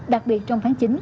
đặc biệt trong tháng chín